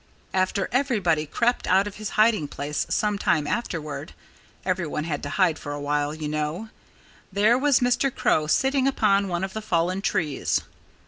After everybody crept out of his hiding place some time afterward (everyone had to hide for a while, you know), there was Mr. Crow sitting upon one of the fallen trees.